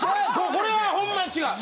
これはホンマに違う。